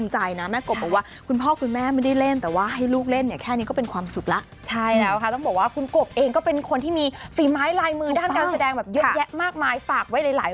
ใช่แล้วแต่ว่าแม่กบก็บอกว่า